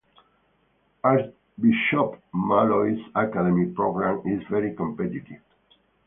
Archbishop Molloy's academic program is very competitive.